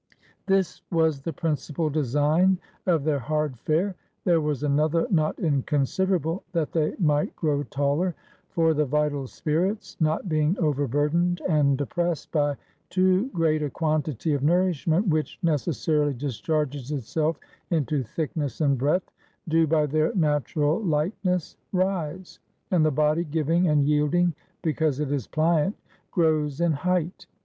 This was the principal design of their hard fare ; there was another not inconsiderable, that they might grow taller; for the vital spirits, not being overburdened and oppressed by too great a quantity of nourishment, which necessarily discharges itself into thickness and breadth, do, by their natural lightness, rise; and the body, giving and yielding because it is pliant, grows in height.